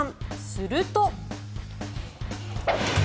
すると。